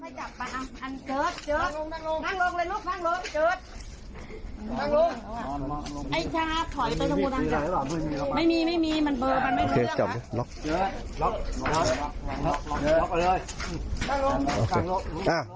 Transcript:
นั่งลงนั่งลงเจิดนั่งลงไอ้ชาติขออีกตัวสมุดทั้งหมด